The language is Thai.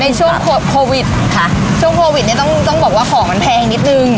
ช่วงโควิดค่ะช่วงโควิดเนี้ยต้องต้องบอกว่าของมันแพงนิดนึง